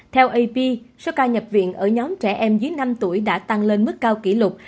theo ap số ca nhập viện ở nhóm trẻ em dưới năm tuổi đã tăng lên mức cao kỷ lục